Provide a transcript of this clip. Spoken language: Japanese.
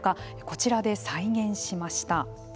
こちらで再現しました。